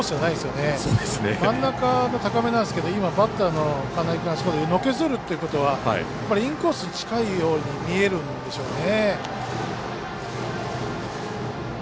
真ん中の高めなんですけどバッターの金井君がのけぞるっていうことはインコースに近いように見えるんでしょうね。